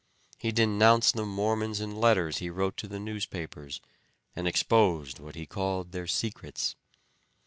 He denounced the Mormons in letters he wrote to the newspapers, and exposed what he called their secrets.